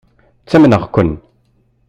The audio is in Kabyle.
Ttamneɣ-ken.